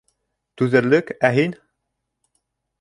Түҙерлек, ә һин?